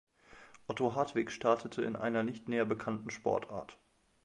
Otto Hartwig startete in einer nicht näher bekannten Sportart.